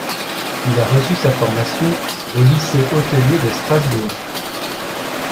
Il a reçu sa formation au lycée hôtelier de Strasbourg.